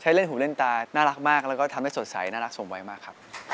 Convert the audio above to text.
เล่นหูเล่นตาน่ารักมากแล้วก็ทำให้สดใสน่ารักสมวัยมากครับ